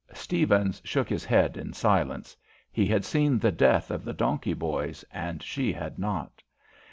Stephens shook his head in silence. He had seen the death of the donkey boys, and she had not.